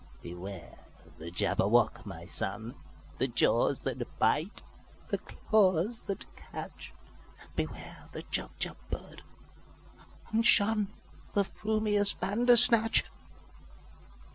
"Beware the Jabberwock, my son! The jaws that bite, the claws that catch! Beware the Jubjub bird, and shunThe frumious Bandersnatch!"